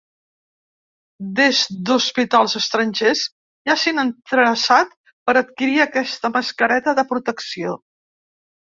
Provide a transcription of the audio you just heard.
Des d’hospitals estrangers ja s’han interessat per adquirir aquesta mascareta de protecció.